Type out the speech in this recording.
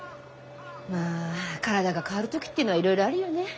まあ体が変わる時ってのはいろいろあるよね。